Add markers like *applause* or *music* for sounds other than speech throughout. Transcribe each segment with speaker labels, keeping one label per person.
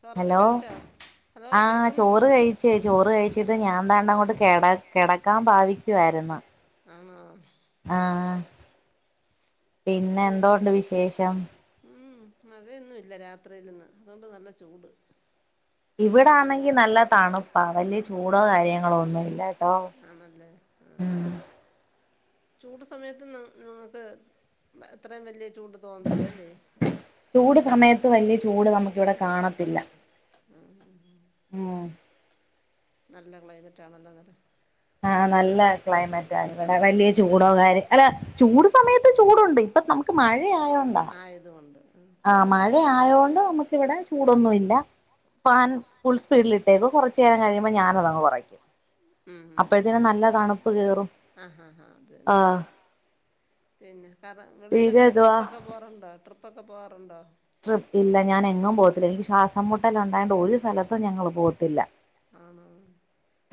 Speaker 1: ചോറൊക്കെ
Speaker 2: ഹലോ
Speaker 1: കഴിച്ചോ? ഹലോ
Speaker 2: ആഹ്
Speaker 1: കേൾക്കുന്നുണ്ടോ
Speaker 2: ചോറ് കഴിച്ച് ചോറ് കഴിച്ചിട്ട് ഞാൻ ദേണ്ടങ്ങോട്ട് കെട കെടക്കാൻ ഭാവിക്കുവായിരുന്നു.
Speaker 1: ആണോ.
Speaker 2: ആഹ് പിന്നെ എന്തോണ്ട് വിശേഷം?
Speaker 1: ഉംഹ് മഴയൊന്നുല്ല രാത്രീലിന്ന് അതുകൊണ്ട് നല്ല ചൂട്.
Speaker 2: ഇവിടൊണെങ്കി നല്ല തണുപ്പാ വല്യ ചൂടോ കാര്യങ്ങളോ ഒന്നും ഇല്ലാട്ടോ.
Speaker 1: ആണല്ലേ ആഹ്. ചൂട് സമയത്ത് നിങ്ങൾക്ക് അത്രയും വലിയ ചൂട് തോന്നത്തില്ല അല്ലേ.
Speaker 2: ചൂട് സമയത്ത് വലിയ ചൂട് നമുക്ക് ഇവിടെ കാണത്തില്ല.
Speaker 1: ഉംഹ്.
Speaker 2: ഉം
Speaker 1: നല്ല ക്ലൈമറ്റാണല്ലോ എന്നട്ട്.
Speaker 2: ആഹ് നല്ല ക്ലൈമറ്റാ ഇവിടെ വലിയ ചൂടോ കാര്യം അല്ല ചൂട് സമയത്ത് ചൂടുണ്ട് ഇപ്പൊ നമ ക്ക് മഴയായോണ്ട ആഹ്
Speaker 1: ആയതുകൊണ്ട്
Speaker 2: ആഹ് മഴ ആയോണ്ട് നമുക്ക് ഇവിടെ ചൂടൊന്നുല്ലാ ഫാൻ ഫുൾ സ്പീടിലിട്ടേക്കും കൊറച്ചു നേരം കഴിയുമ്പോ ഞാാനതങ്ങ് കുറയ്ക്കും അപ്പോഴത്തന് നല്ല തണുപ്പ് കേറും.
Speaker 1: ആഹ് ഹാ ഹാ അതന്നെ ആഹ് പിന്നെ പറ
Speaker 2: തീരെ
Speaker 1: ഇങ്ങളിയിലൊക്കെ
Speaker 2: ഇതുവാ
Speaker 1: ട്രിപ്പൊക്കെ പോവാറുണ്ടോ ട്രിപ്പ്ഒക്കെ പോവാറുണ്ടോ?
Speaker 2: ട്രിപ്പ് ഇല്ല ഞാന് എങ്ങും പോത്തില്ല എനിക്ക് ശ്വാസം മുട്ടല് ഉണ്ടായോണ്ട് ഒരു സ്ഥലത്തും ഞങ്ങള് പോത്തില്ല.
Speaker 1: ആണോ.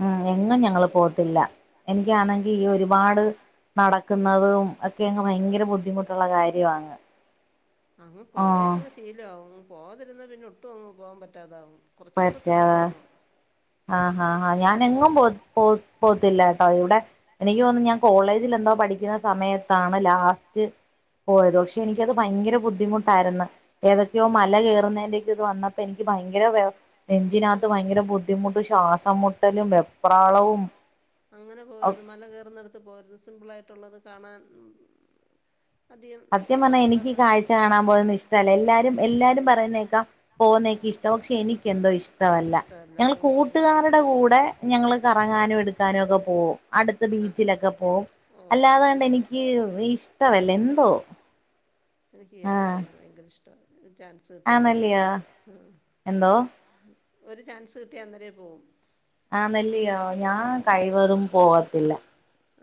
Speaker 2: ഉം
Speaker 1: അയ്യോ
Speaker 2: എങ്ങും ഞങ്ങള് പോത്തില്ല എനിക്കാണെങ്കിൽ ഈ ഒരുപാട് നടക്കുന്നതും അത്. ഒക്കെയങ്ങ് ഭയങ്കര ബുദ്ധിമുട്ടുള്ള കാര്യമാണ്
Speaker 1: അങ്ങ്
Speaker 2: ആഹ്
Speaker 1: പോയാങ്ങ് ശീലമാവും പോകാതിരുന്ന പിന്നെ ഒട്ടും അങ്ങ് പോകാൻ പറ്റാതാവും. കുറച്ച് കുറച്ചൊക്കെ
Speaker 2: പറ്റാതെ
Speaker 1: പോണം
Speaker 2: ആഹ് ഹാ ആഹ്
Speaker 1: കുറച്ച്
Speaker 2: ഞാന് എങ്ങും
Speaker 1: കുറ
Speaker 2: പോ പോ പോത്തില്ലാട്ടോ ഇവിടെ. എനിക്ക് തോന്നുന്നു ഞാൻ കോളേജിൽ എന്തോ പഠിക്കുന്ന സമയത്താണ് ലാസ്റ്റ്. പോയത് പക്ഷെ എനിക്കത് ഭയങ്കര ബുദ്ധിമുട്ടായിരുന്നു ഏതൊക്കെയോ
Speaker 1: ഉം
Speaker 2: മല കേറുന്നതിന്റെയൊക്കെ ഇത് വന്ന എനിക്ക് ഭയങ്കര ബെ നെഞ്ചിനകത്ത് ഭയങ്കര ബു
Speaker 1: ശ്വസംമുട്ടലും വെപ്രാളവും അങ്ങനെ പോകരുത് മല കേറുന്നടു ത്ത് പോകരുത് സിമ്പിളായിട്ടുള്ളത് കാണാൻ അധികം
Speaker 2: സത്യം പറഞ്ഞാ എനിക്ക് ഈ
Speaker 1: നടക്കണ്ടത്.
Speaker 2: കാഴ്ച കാണാൻ പോകുന്നത് ഇഷ്ടല്ല എല്ലാരും എല്ലാരും പറയുന്നേക്കാം പോകുന്നൊക്കെ ഇഷ്ടാ പക്ഷെ എനിക്ക് എന്തോ ഇഷ് ഇഷ്ടമല്ല
Speaker 1: ഓ
Speaker 2: ഞങ്ങള്
Speaker 1: ചെല
Speaker 2: കൂട്ടുകാരുടെ കൂടെ ഞങ്ങള് കറങ്ങാനും എടുക്കാനും ഒക്കെ പോവും അടുത്ത
Speaker 1: ആഹ്
Speaker 2: ബീച്ചിലൊക്കെ പോവും
Speaker 1: ഓഹോ ഹോ ഹോ
Speaker 2: അല്ലാതാണ്ട് എനിക്ക് ഇഷ്ടല്ല എന്തോ
Speaker 1: എനിക്ക് യാത്ര
Speaker 2: ആഹ്
Speaker 1: ചെയ്യാൻ ഭയങ്കര ഇഷ്ടവാ ചാൻസ് കിട്ടിയ അന്നേരേ
Speaker 2: ആന്നല്ലയോ
Speaker 1: പോവും
Speaker 2: എന്തോ
Speaker 1: ഒരു ചാൻസ് കിട്ടിയാൽ അന്നേരേ പോവും
Speaker 2: ആഹ് നെല്ലിയോ ഞാൻ കഴിവതും പോവത്തില്ല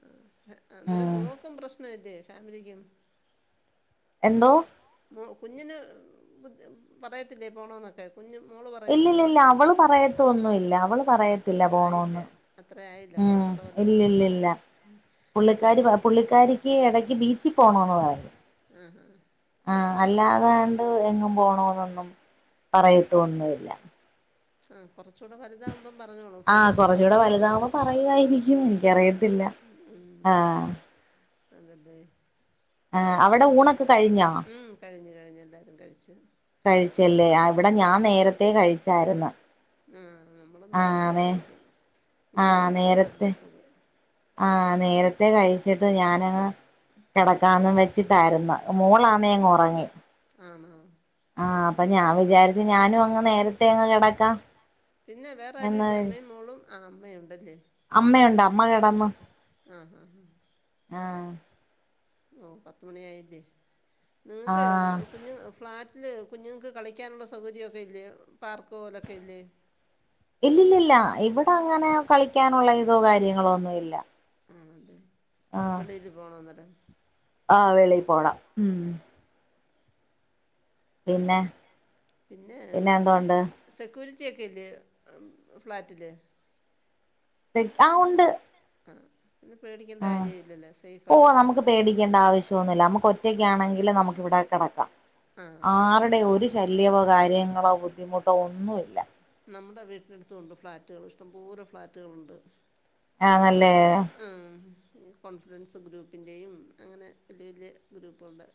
Speaker 1: ആഹ് അന്നേരം
Speaker 2: ഉം
Speaker 1: മോക്കും പ്രശ്നം ഇല്ലേ ഫാമിലിക്കും
Speaker 2: എന്തോ?
Speaker 1: ഉം കുഞ്ഞിന് ബുദ്ധി പറയത്തില്ലേ പോണോന്നൊക്കെ? കുഞ്ഞു മോള് പറയത്തില്ലേ,
Speaker 2: ഇല്ലില്ലില്ല
Speaker 1: ഇല്ല ഇല്ല അവള്
Speaker 2: പറയത്തൊന്നുല്ല അവള്
Speaker 1: പറയത്തൊന്നൂല *inaudible* അത്ര
Speaker 2: പറയത്തില്ല
Speaker 1: ആയില്ല.
Speaker 2: പോണോന്ന്
Speaker 1: അത്ര ആയില്ല
Speaker 2: ഉം
Speaker 1: കുറച്ച് കൂടെ വലുതാവുമ്പം
Speaker 2: ഇല്ലില്ലില്ല
Speaker 1: പറയും, ആ
Speaker 2: പുള്ളിക്കാരി
Speaker 1: ചെലപ്പം
Speaker 2: പുള്ളിക്കാരിക്ക് ഇടയ്ക്ക് ബീച്ചിൽ പോണോന്ന് പറയും.
Speaker 1: ആഹ്, ആഹ്.
Speaker 2: ആഹ്, അല്ലാതാണ്ട് എങ്ങും പോണോ എന്നൊന്നും പറയത്തൊന്നൂല്ല.
Speaker 1: ആഹ്, കൊറച്ചൂടെ വലുതാവുമ്പം പറഞ്ഞോളൂ
Speaker 2: ആഹ്
Speaker 1: ഫ്രണ്ട്സിന്റെ കൂടൊക്കെ
Speaker 2: കൊറച്ചൂടെ
Speaker 1: ചേരുന്നെ,
Speaker 2: വലുതാവുമ്പോ പറയുവായിരിക്കും
Speaker 1: ഹ് ഹ്
Speaker 2: എനിക്കറിയത്തില്ല
Speaker 1: ഹ് ഉം. ഉം
Speaker 2: ആഹ്
Speaker 1: ആഹ്, അതല്ലെ
Speaker 2: ആഹ്, അവിടെ ഊണൊക്കെ കഴിഞ്ഞോ?
Speaker 1: കഴിഞ്ഞ്, കഴിഞ്ഞ് എല്ലാവരും കഴിച്ച്.
Speaker 2: കഴിച്ചല്ലേ, ആ ഇവിടെ
Speaker 1: ഉം
Speaker 2: ഞാൻ നേരത്തെേ കഴിച്ചായിരുന്നു.
Speaker 1: ആഹ്, ആഹ് നമ്മള്
Speaker 2: ആഹ്
Speaker 1: നേരത്തെേ
Speaker 2: നേ
Speaker 1: കഴിക്കും, ഇന്നേ
Speaker 2: ആഹ്
Speaker 1: ഒള്ളു ഇച്ചിരി
Speaker 2: നേരത്തെ
Speaker 1: താമസിച്ചത്.
Speaker 2: ആഹ്, നേരത്തെ കഴിച്ചിട്ട് ഞാനങ്ങ് കിടക്കാന്നും വെച്ചിട്ടായിരുന്നു മോളാന്നെ അങ്ങ് ഉറങ്ങി.
Speaker 1: ആണോ
Speaker 2: ആഹ്, അപ്പൊ ഞാൻ വിചാരിച്ചു ഞാനും അങ്ങ് നേരത്തെേ അങ്ങ് കിടക്കാം എന്ന് വി
Speaker 1: ആഹ്, അമ്മയുണ്ടല്ലേ?
Speaker 2: അമ്മയുണ്ടോ അമ്മ കെട
Speaker 1: അമ്മ കെടന്ന്, ആഹ് ആഹ് ആഹ്.
Speaker 2: ആഹ്
Speaker 1: ഓഹ്, പത്ത്മണി ആയില്ലേ നിങ്ങൾക്ക്
Speaker 2: ആഹ്
Speaker 1: കുഞ്ഞ് ഫ്ളാറ്റ് ല് കുഞ്ഞുങ്ങൾക്ക് കളിക്കാനുള്ള സൗകര്യമൊക്കെ ഇല്ലേ പാർക്ക് പോലൊക്കെ ഇല്ലേ?
Speaker 2: ഇല്ല ഇല്ലില്ല ഇവിടെ അങ്ങനെ കളി
Speaker 1: ക്കാനുള്ള എന്തോ കാര്യങ്ങളോ, ആണല്ലെ
Speaker 2: ആഹ്
Speaker 1: വെളിയില് പോണോന്ന് ഇങ്ങട്ട്.
Speaker 2: ആഹ് വെളിയിൽ പോണം ഉം. പിന്നെ
Speaker 1: പിന്നെ ഏഹ് സെക്യൂരിറ്റി ഒക്കെ ഇല്ലേ മ് ഫ്ളാറ്റില്.
Speaker 2: *unintelligible* ആ ഉണ്ട്.
Speaker 1: ആഹ്, പിന്നെ പേടിക്കേണ്ട
Speaker 2: ആഹ്
Speaker 1: കാര്യല്ലല്ലോ സേഫ്
Speaker 2: ഓ
Speaker 1: ആണല്ലോ?
Speaker 2: നമുക്ക് പേടിക്കേണ്ട ആവശ്യം തോന്നില്ല നമുക്ക് ഒറ്റക്കാണെങ്കിൽ നമുക്ക് ഇവിടെ കിടക്കാം,
Speaker 1: ആഹ്
Speaker 2: ആരുടെ ഒരു ശല്ല്യവോ കാ ര്യങ്ങളോ ബുദ്ധിമുട്ടോ ഒന്നു ഇല്ല.
Speaker 1: നമ്മുടെ വീട്ടിനടുത്തു ഉണ്ട് ഫ്ലാറ്റുകൾ ഇഷ്ടം പോലെ ഫ്ലാറ്റുകളുണ്ട്.
Speaker 2: ആ നല്ല
Speaker 1: ആണല്ലേ, അപ്പം ആഹ്, ഈ കോൺഫിഡൻസ് ഗ്രൂപ്പിൻ്റെയും അങ്ങനെ വലിയ വലിയ ഗ്രൂപ്പുകൾടെ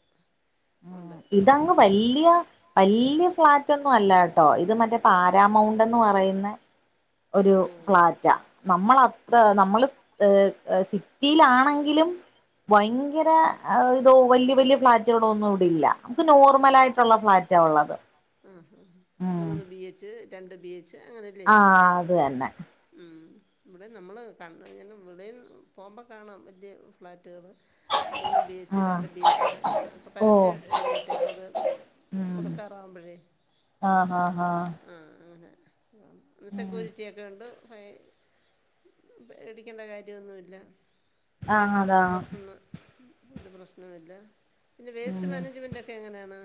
Speaker 1: ആഹ്
Speaker 2: ആഹ്, ഇതങ്ങ് വല്ല്യ വല്ല്യ ഫ്ളാറ്റ് ഒന്നു അല്ല കേട്ടോ, ഇത് മറ്റേ
Speaker 1: ആ
Speaker 2: പാരാമൗണ്ട് എന്ന് പറയുന്ന ഒരു
Speaker 1: ഓ
Speaker 2: ഫ്ളാറ്റാ നമ്മളത്ര നമ്മള് ഏഹ്, ഏഹ് സി റ്റിയിലാണെങ്കിലും ഭയങ്കരം ആഹ് ഇതോ വലിയ വലിയ ഫ്ളാറ്റുകളോ ഒന്നും ഇവിടല്ല, നമുക്ക് നോർമല് ആയിട്ടുള്ള ഫ്ളാ റ്റ ഉള്ളത്.
Speaker 1: ആഹ്, ആഹ്
Speaker 2: ഉം
Speaker 1: മൂന്ന് ബി എച്ച് രണ്ട് ബി എച്ച് അങ്ങനെല്ലേ.
Speaker 2: ആ അത്
Speaker 1: ആഹ്
Speaker 2: തന്നെ
Speaker 1: അതന്നെ. ഉം, ഇവിടെയും നമ്മള് കണ്ട് അറിയണം ഇവിടെയും പോവുമ്പ കാണാം വലിയ ഫ്ലാറ്റുകള്. മൂന്ന് ബി
Speaker 2: ആ
Speaker 1: എച്ച് രണ്ട് ബി എച്ച് ഒക്കെ
Speaker 2: ഓ
Speaker 1: പരസ്യം എഴുതിയിട്ടേക്കു അത്
Speaker 2: ഉം
Speaker 1: കൊടുക്കാറാവുമ്പഴെ
Speaker 2: ആഹ് ഹാ ഹാ
Speaker 1: ആഹ് അങ്ങനെന്നെ ആഹ് സെക്യൂരിറ്റിയൊക്കെയുണ്ട് ഫൈ പേടിക്കേണ്ടെ കാര്യയൊന്നുല്ല
Speaker 2: ആ അതാ
Speaker 1: ആഹ് പൊറ്ത്ത്ന്ന് ഇത് പ്രശ്നവല്ല പിന്നെ
Speaker 2: ഉം
Speaker 1: വേസ്റ്റ് മാനേജ്മെന്റൊക്കെ എങ്ങനാണ്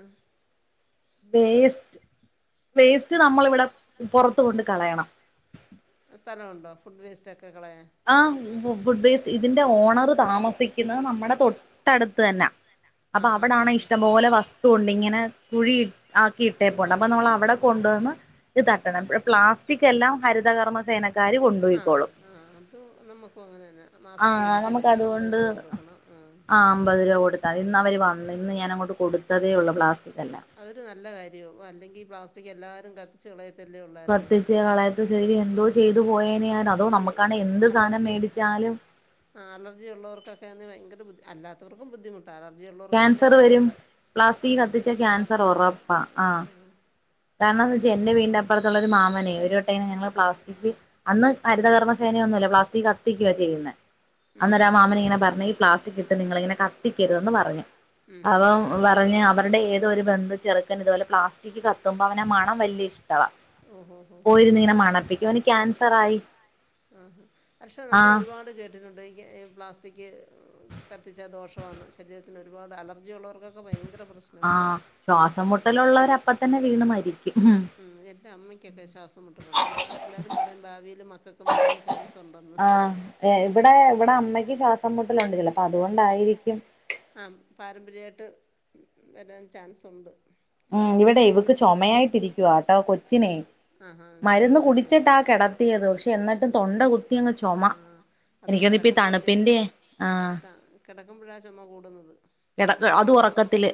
Speaker 2: വേസ്റ്റ് വേസ്റ്റ് നമ്മള് ഇവടെ പൊറത്ത് കൊണ്ട് കളയണം
Speaker 1: ഏഹ് സ്ഥലവുണ്ടോ ഫുഡ് വേസ്റ്റൊക്കെ കളയാൻ
Speaker 2: ആഹ് ഫു ഫുഡ് വേസ്റ്റ് ഇതിന്റെ ഓണർ താമസിക്കിന്നത് നമ്മടെ തൊ ട്ടടുത്ത് തന്നാ അപ്പൊ
Speaker 1: ആഹ് ഹാ ഹാ
Speaker 2: അവിടാണെ
Speaker 1: ഹാ
Speaker 2: ഇഷ്ടം പോലെ വസ്തു ഉണ്ട് ഇങ്ങനെ കുഴി ആക്കിയിട്ടേപ്പോണ്ട്
Speaker 1: ആഹ്
Speaker 2: അപ്പൊ നമ്മള്
Speaker 1: ഇട്ടിട്ടുണ്ടോ
Speaker 2: അവ്ടെ കൊണ്ടുവന്ന് ഇത് തട്ടണം
Speaker 1: ആഹ്
Speaker 2: പ്ല പ്ലാസ്റ്റിക്കെല്ലാം ഹരിതകർമ്മ സേന ക്കാര്
Speaker 1: ആഹ്
Speaker 2: കൊണ്ടോയിക്കോളും
Speaker 1: ആഹ് അത് നമ്മക്കും അങ്ങനെന്നെ
Speaker 2: ആ
Speaker 1: മാസത്തി ഒരിക്കൽ
Speaker 2: നമുക്ക്
Speaker 1: വെരും അമ്പത്
Speaker 2: അതുകൊണ്ട്
Speaker 1: രൂപ കൊടുക്കണം ആഹ്
Speaker 2: ആ അമ്പത് രൂപ കൊടുത്താതി ഇന്ന് അവര് വന്ന് ഇന്ന് ഞാനങ്ങോട്ട് കൊട്ത്തതേയുള്ളു പ്ലാസ്
Speaker 1: ആഹ് അതൊരു നല്ല കാര്യോ അല്ലെങ്കി ഈ പ്ലാസ്റ്റിക് എല്ലാരും കത്തിച്ച് കളയത്തല്ലേയുള്ള
Speaker 2: കത്തിച്ച് കളയത്ത് ശരി എന്തോ ചെയ്തു പോയേനെ ഞാൻ
Speaker 1: ഈ
Speaker 2: അതോ നമ്മക്കാണെ എന്ത് സാനം മേടിച്ചാലും
Speaker 1: ആഹ് അലർജിയുള്ളോർക്കൊക്കയാന്നേ ഭയങ്കര ബുദ്ധി അല്ലാത്തവർക്കും ബുദ്ധിമുട്ടാ അലർജിയുള്ളവർക്ക് പിന്നെ
Speaker 2: ക്യാൻസർ വരും
Speaker 1: പറയെണ്ട
Speaker 2: പ്ലാസ്റ്റിക് കത്തിച്ചാ ക്യാൻസർ ഒറപ്പാ
Speaker 1: ആ
Speaker 2: ആഹ് ഏഹ് എന്നാന്ന് വച്ചാ
Speaker 1: നമ്മൾ
Speaker 2: എന്റെ വീട്ന്റെ അപ്പറത്തുള്ളൊര് മാമനെ ഒരു വട്ട ഇങ്ങനെ ഞങ്ങള് പ്ലാസ് *unintelligible* അന്ന് ഹരിത കർമ്മ സേനയൊന്നുല്ല പ്ലാസ്റ്റിക് കത്തിക്ക്യുവാ ചെയ്യുന്നെ
Speaker 1: ഉം
Speaker 2: അന്നേരം ആ
Speaker 1: ഹും ഹും
Speaker 2: മാമൻ ഇങ്ങനെ പറഞ്ഞ് ഈ പ്ലാസ്റ്റിക് ഇട്ട് നിങ്ങള് ഇങ്ങനെ കത്തിക്കരുതന്ന് പറഞ്ഞു
Speaker 1: ഉം ഹും
Speaker 2: അപ്പം പറഞ്ഞു അവരുടെ ഏതൊരു ബന്ധു ചെറുക്കൻ ഇതു പോലെ പ്ലാസ്റ്റിക് ക ക്കുമ്പം അവനെ മണം വല്ല്യ ഇഷ്ടവാ
Speaker 1: ഓഹോ ഹോ ഹോ ഹോ
Speaker 2: പോയിരുന്ന് ഇങ്ങനെ മണപ്പിക്കും അവന് ക്യാൻസറായി
Speaker 1: ഉം പക്ഷേ നമ്മള്
Speaker 2: ആഹ്
Speaker 1: ഒരുപാട് കേട്ടിട്ടുണ്ട് *unintelligible* പ്ലാസ്റ്റിക് കത്തിച്ചാ ദോഷമാണ്ന്ന് ശരീരത്തിന് ഒരുപാട് അലർജിയുള്ളോർക്കൊക്കെ ഭയങ്കര പ്രശ്
Speaker 2: ആഹ് ശ്വാസ മുട്ടലുള്ളവര് അപ്പ തന്നെ വീണു മരിക്ക്യും
Speaker 1: ഉം എന്റെ അമ്മയ്ക്കെ ക്കെ ശ്വാസം മുട്ടലുണ്ട് അന്നേരം എല്ലാരും പറയും ഭാവിയില് മക്കള്ക്കും വരാൻ ചാൻസുണ്ടെന്ന്
Speaker 2: ആഹ് ഏഹ് ഇവെടെ ഇവ്ടെ അമ്മയ്ക്ക് ശ്വാസം മുട്ടലൊണ്ട് *unintelligible* അപ്പൊ അതുകൊണ്ടായിരിക്ക്യും
Speaker 1: ആഹ് പാരമ്പര്യായിട്ട് വെരാൻ ചാൻസുണ്ട്
Speaker 2: ഉം ഇവെടെ ഇവക്ക് ചൊമയായിട്ടിരിക്ക്യുവാട്ടോ കൊച്ചിനെ
Speaker 1: ആഹാ
Speaker 2: മരുന്ന്
Speaker 1: ചുമയ്ക്കുന്ന കേൾക്കാം
Speaker 2: കുടിച്ചിട്ടാ കെട ത്തിയതോ പക്ഷേ എന്നിട്ടും തൊണ്ട കുത്തിയങ്ങ് ചൊമ.
Speaker 1: ആ അത്
Speaker 2: *unintelligible* ഈ തണുപ്പിന്റെ ആഹ്
Speaker 1: കെടക്കുമ്പെഴാ ചൊമ കൂടുന്നത്
Speaker 2: എടക്ക് അതും ഒറക്കത്തില്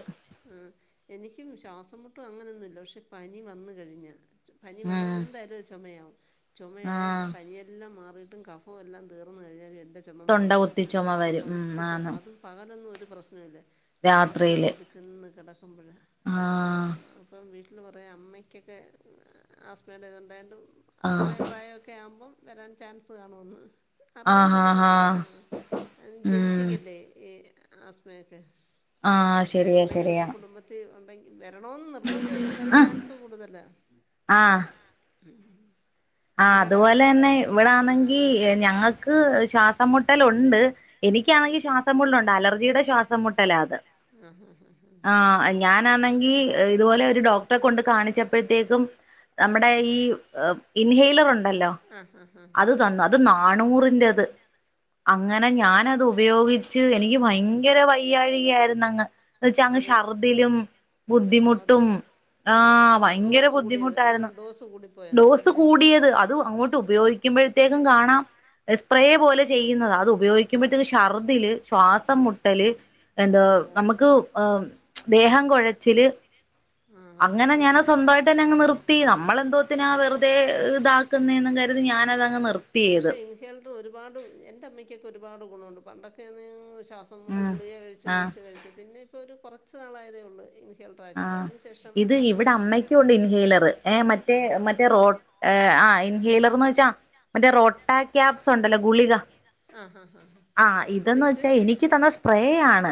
Speaker 1: ഉം എനിക്ക്യും ശ്വാസംമുട്ടും അങ്ങനെയൊന്നുല്ല പക്ഷേ പനി വന്ന് കഴിഞ്ഞാ ചൊ പനി വന്നാൽ
Speaker 2: ഉം
Speaker 1: എന്തായാലും അഹ് ചൊമയാവും ചൊമയായ
Speaker 2: ആഹ്
Speaker 1: പനിയെല്ലാം മാറിയിട്ടും ക ഫു എല്ലാം തീർന്ന് കഴിഞ്ഞാലും എൻ്റെ ചൊമാ
Speaker 2: തൊണ്ട കുത്തി
Speaker 1: മാറത്തില്ല
Speaker 2: ചുമ
Speaker 1: ഈ തൊണ്ട
Speaker 2: വരും ഉം
Speaker 1: കുത്തി ചൊമ
Speaker 2: ആന്ന്
Speaker 1: അതും പകലൊന്നും ഒരു പ്രശ്നവുല്ല രാത്രില്
Speaker 2: രാത്രിയില്
Speaker 1: അങ്ങോട്ട് ചെന്ന് കെടക്കുമ്പഴേ ആഹ് അപ്പം വീട്ടില് പറയാ അമ്മയ്ക്കൊക്കെ ആസ്മേന്റെ ഇത് ഉണ്ടായോണ്ടും
Speaker 2: ആഹ്
Speaker 1: അത്രയും പ്രായൊക്കെയാവുമ്പം വരാൻ ചാൻസ് കാണൂന്ന് അറിയാൻ
Speaker 2: ആഹ് ആഹ്
Speaker 1: പറ്റത്തില്ല ആഹ് ആന്
Speaker 2: ഉം
Speaker 1: ജെൻറ്റിക്കല്ലേ ഈ ആസ്മയൊക്കെ ആഹ്
Speaker 2: ശരിയാ
Speaker 1: ഉണ്ടെങ്കി
Speaker 2: ശരിയാ
Speaker 1: കുടുംബത്തി ഉണ്ടെങ്കി വെരണോന്ന് നിർബന്ധയില്ല എന്നാലും
Speaker 2: ആഹ്
Speaker 1: ചാൻസ് കൂടുതലാ ആഹ് ഉം
Speaker 2: ആഹ്
Speaker 1: അമ്മേടെ
Speaker 2: അതുപോലെന്നെ ഇവിടാന്നെങ്കി ഏഹ് ഞങ്ങക്ക് ശ്വാസം മുട്ടലൊണ്ട് എനിക്ക്യാണെങ്കി ശ്വാസമുട്ലൊണ്ട് അലർജിയുടെ ശ്വാസം മുട്ടലാത്
Speaker 1: അത് ആഹ് ആഹ് ആഹ് ആഹ്
Speaker 2: ആഹ് ഞാനാ ആണെങ്കിൽ ഇതുപോലെ ഒരു ഡോക്ടറെ കൊണ്ട് കാണിച്ചപ്പഴത്തേക്കും നമ്മുടെ ഈ ഇൻഹെലർ ഉണ്ടല്ലോ
Speaker 1: ആഹ് ആഹ് ആഹ്
Speaker 2: അത് തന്നു അത് നാനൂറിന്റത് അങ്ങനെ ഞാനത് ഉപയോഗിച്ച് എനിക്ക് ഭയങ്കര വയ്യാഴിക ആയിരുന്നു അങ്ങ് എന്ന് വച്ചാ അങ്ങ്
Speaker 1: അത്
Speaker 2: ശർദ്ദിലും
Speaker 1: ഓ അത്
Speaker 2: ബുദ്ധിമുട്ടും ആ
Speaker 1: ആഹ്
Speaker 2: ഭയങ്കര
Speaker 1: ഡോസ് കൂടിയത് എങ്ങനെ
Speaker 2: ബുദ്ധിമുട്ടായിരുന്നു
Speaker 1: ഡോസ് കൂടിപ്പോ
Speaker 2: ഡോസ് കൂടിയത് അതും അങ്ങോട്ട് ഉപയോഗിക്കുമ്പോഴത്തേക്കും കാണാം സ്പ്രേ പോലെ ചെയ്യുന്നതാ അത് ഉപയോഗിക്കുമ്പോഴത്തേക്ക് ഛർദില് ശ്വാസം മുട്ടല് എന്താ
Speaker 1: ഓ
Speaker 2: നമുക്ക് ആഹ് ദേഹം കുഴച്ചില്
Speaker 1: ആഹ്
Speaker 2: അങ്ങനെ
Speaker 1: അങ്ങനെയൊക്കെ
Speaker 2: ഞാനത് സ്വന്തമായിട്ട് തന്നെ അങ്ങ് നിർത്തി നമ്മളെന്തോ ന്നിനാ വെറുതെ ഇതാക്കുന്നേന്നും കരുതി ഞാനതങ്ങ് നിർത്തി അത്
Speaker 1: പക്ഷേ അതൊക്കെ ഒരുപാട് എൻ്റെ അമ്മയ്ക്കൊക്കെ ഒരുപാട് ഗുണവുണ്ട് പണ്ടൊക്കെ ശാ സം മുട്ട്
Speaker 2: ഉം
Speaker 1: ഗുളിക കഴിച്ച്
Speaker 2: ആഹ്
Speaker 1: കഴിച്ച് കഴിച്ച് പിന്നെ ഇപ്പോൾ ഒരു കുറച്ച് നാളായതേ ഉള്ളൂ ഇനി
Speaker 2: ആഹ് ഇത് ഇവിടെ അമ്മയ്ക്കുണ്ട് ഇൻഹീലറ് ഏ മറ്റേ മറ്റേ റോ ആഹ് ഇൻഹീലർ എന്ന് വെച്ചാ മറ്റേ റൊട്ടാക്യാപ്സ് ഉണ്ടല്ലോ ഗുളിക
Speaker 1: ആഹ് ആഹ്
Speaker 2: ആഹ്
Speaker 1: അത്
Speaker 2: ഇതെന്ന്
Speaker 1: പൊടിച്ച്
Speaker 2: വെച്ചാ എനിക്ക് തന്ന സ്പ്രേയാണ്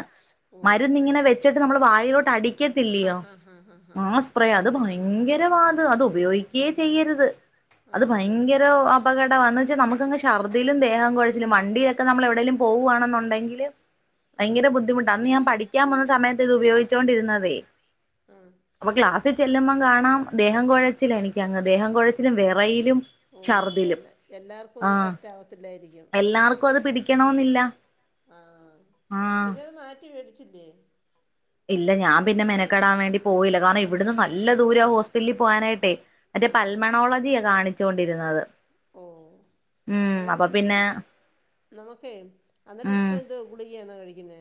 Speaker 1: ഓഹ്
Speaker 2: മരുന്നിങ്ങനെ
Speaker 1: മരുന്ന്
Speaker 2: വെ ച്ചിട്ട് നമ്മള് വായിലോട്ട് അടിക്കത്തില്ലയോ
Speaker 1: ആഹ് ആഹ് ആഹ് ആഹ്
Speaker 2: ആ
Speaker 1: ആഹ്
Speaker 2: സ്പ്രേ അത് ഭ ഭയങ്കരവാ അത് അത് ഉപയോഗിക്കുകയേ ചെയ്യരുത്
Speaker 1: ആഹ്
Speaker 2: അത്
Speaker 1: ആണല്ലേ
Speaker 2: ഭയങ്കര അപകടമാണ് എന്ന് വെച്ചാൽ നമുക്കങ്ങ് ഛർദ്ദിലും ദേഹം കുഴച്ചിലും വണ്ടിയൊ ക്കെ നമ്മള് എവിടേലും പോവാണെന്നുണ്ടെങ്കില്
Speaker 1: ആഹ്
Speaker 2: ഭയങ്കര ബുദ്ധിമുട്ടാ അന്ന് ഞാൻ പഠിക്കാൻ പോന്ന സമയത്ത് ഇത് ഉപയോഗിച്ചോണ്ടിരുന്ന
Speaker 1: ആഹ്
Speaker 2: അപ്പൊ ക്ലാസ്സിൽ ചെല്ലുമ്പം കാണാം ദേഹം കുഴച്ചിലാ എനിക്കങ്ങ് ദേഹം കൊ ഴച്ചിലും വിറയലും
Speaker 1: ഓഹ് അത്
Speaker 2: ശർദ്ദിലും
Speaker 1: എല്ലാ എല്ലാർക്കും
Speaker 2: ആ
Speaker 1: ഒന്നും സെറ്റ് ആവത്തില്ലായിരിക്കും
Speaker 2: എല്ലാവർക്കും അത് പിടി ക്കണോന്നില്ല
Speaker 1: ആഹ് പിന്നെ അത് മാറ്റി മേടിച്ചില്ലേ
Speaker 2: ഇല്ല ഞാൻ പിന്നെ മെനക്കെടാൻ വേണ്ടി പോയില്ല കാരണം ഇവിടുന്ന് നല്ല ദൂരവാ ഹോസ്പിറ്റലിൽ പോകാനായിട്ടേ മറ്റേ
Speaker 1: ആഹ് ആഹ്
Speaker 2: പൽമണോളജിയ കാണിച്ചോണ്ടിരുന്നത്
Speaker 1: ഓ
Speaker 2: ഉം
Speaker 1: അന്നേരം
Speaker 2: അപ്പൊ പിന്നെ
Speaker 1: നമുക്കേ അന്നേരം ഇപ്പം എന്തോ ഗുളിക ആണോ കഴിക്കുന്നേ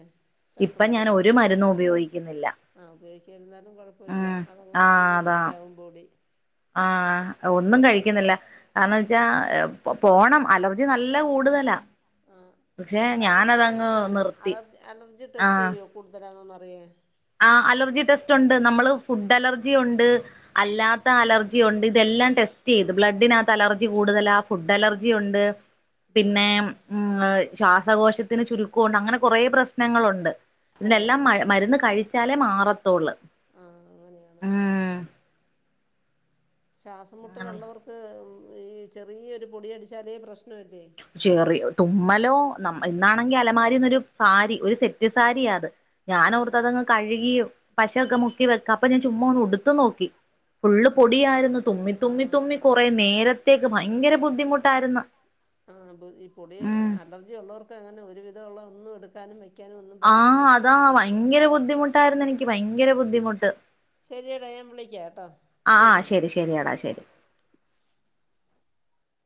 Speaker 1: ശ്വാസം
Speaker 2: ഇപ്പ ഞാൻ
Speaker 1: മുട്ടലിന്
Speaker 2: ഒരു മരുന്നും ഉപയോഗിക്കുന്നില്ല
Speaker 1: ആഹ് ഉപയോഗിക്കാതെ ഇരുന്നാലും കുഴ പ്പവില്ല
Speaker 2: ഉം
Speaker 1: അതങ്ങ്
Speaker 2: ആഹ്
Speaker 1: അങ്ങനങ്ങ്
Speaker 2: അതാ
Speaker 1: സെറ്റാകും ബോഡി
Speaker 2: ആഹ് ഒന്നും
Speaker 1: നമ്മള് പറ ഡോ
Speaker 2: കഴിക്കുന്നില്ല കാരണം വെച്ചാ പോണം അലർജി നല്ല കൂടുതലാ
Speaker 1: ആഹ്
Speaker 2: പക്ഷെ
Speaker 1: അത് അലർജി
Speaker 2: ഞാനതങ്ങ്
Speaker 1: ടെസ്റ്റ് ചെയ്യുവോ
Speaker 2: നിർത്തി
Speaker 1: അലർജി അലർജി ടെസ്റ്റ്
Speaker 2: ആഹ്
Speaker 1: ചെയ്യുവോ കൂടുതലാണോന്ന് അറിയാൻ
Speaker 2: ആഹ് അലർജി ടെസ്റ്റ് ഉണ്ട് നമ്മള് ഫുഡ് അലർജി ഉണ്ട് അല്ലാത്ത അലർ ണ്ട് ഇതെല്ലാം ടെസ്റ്റ് ചെയ്ത് ബ്ലഡിനകത്ത് അലർജി കൂടുതലാ ഫുഡ് അലർജി ഉണ്ട് പിന്നെ
Speaker 1: ആഹ് ആഹ്
Speaker 2: ഉം ശ്വാസകോശത്തിന് ചുരുക്കം ഉണ്ട് അങ്ങനെ കുറേ പ്രശ്നങ്ങളുണ്ട് ഇതിനെല്ലാം
Speaker 1: ഓഹ്
Speaker 2: മ മരുന്ന് കഴിച്ചാലേ മാറത്തുള്ളൂ
Speaker 1: ആഹ് അങ്ങനെയാണ്
Speaker 2: ഉം
Speaker 1: ശ്വാസം
Speaker 2: അങ്ങനെയുള്ള
Speaker 1: മുട്ടലുള്ളവർക്ക് ഈ ചെറിയൊരു പൊടി അടിച്ചാലേ പ്രശ്നമല്ലേ
Speaker 2: ചെറിയ തുമ്മലോ ന ഇന്നാണെങ്കി അലമാരീന്നൊരു സാരി ഒരു സെറ്റ് സാരിയാ അത്
Speaker 1: ആഹ്
Speaker 2: ഞാനോർത്ത് അതങ്ങ് കഴുകി പശയൊക്കെ മുക്കി വെക്കാം അപ്പൊ ഞാൻ ചുമ്മാ ഒന്ന് ഉടുത്തു നോക്കി ഫുള്ള് പൊടിയാരുന്നു തുമി തുമ്മി തുമ്മി
Speaker 1: ആഹ്
Speaker 2: കുറേ നേരത്തേക്ക് ഭയങ്കര ബുദ്ധിമുട്ടാരുന്നു
Speaker 1: ആഹ് ഈ പൊടി അലർജി ഉള്ളവർക്ക് അങ്ങനെ ഒരു വിധം ഉള്ള ഒന്നും എടുക്കാനും വ
Speaker 2: ആഹ് അതാ ഭയങ്കര ബുദ്ധിമുട്ടായിരുന്നു എനിക്ക് ഭയങ്കര ബുദ്ധിമുട്ട്
Speaker 1: ശരിയടാ ഞാൻ വിളിക്കാം കേട്ടോ ശരി എന്നാ
Speaker 2: ശരിയടാ ശരി